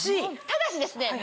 ただしですね